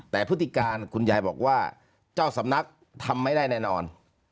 แต่พฤติการคุณยายบอกว่าเจ้าสำนักทำไม่ได้แน่นอน